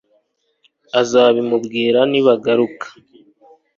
azabimubwira nibagaruka